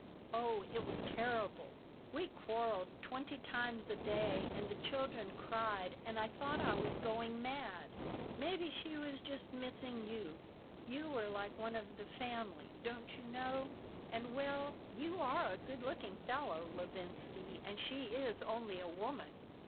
Oh, it was terrible! We quarreled twenty times a day and the children cried and I thought I was going mad. Maybe she was just missing you. You were like one of the family, don't you know. And, well, you are a good looking fellow, Levinsky, and she is only a woman."